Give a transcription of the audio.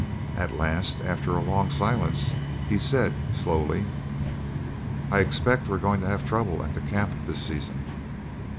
At last, after a long silence, he said, slowly, "I expect we're going to have trouble at the camp this season."